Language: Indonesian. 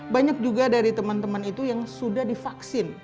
banyak juga dari teman teman itu yang sudah divaksin